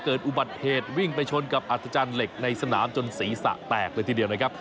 เกิดอุบัติเหตุวิ่งไปชนกับอัธจันทร์เหล็กในสนามจนศีรษะแตกเลยทีเดียวนะครับ